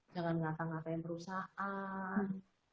jangan ngata ngatain perusahaan